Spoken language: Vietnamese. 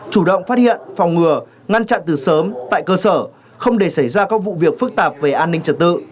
chủ động phát hiện phòng ngừa ngăn chặn từ sớm tại cơ sở không để xảy ra các vụ việc phức tạp về an ninh trật tự